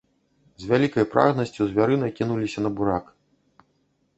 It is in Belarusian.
З вялікай прагнасцю звяры накінуліся на бурак.